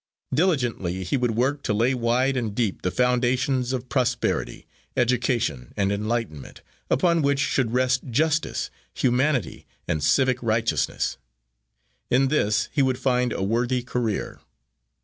Diligently he would work to lay wide and deep the foundations of prosperity, education and enlightenment, upon which should rest justice, humanity and civic righteousness. In this he would find a worthy career.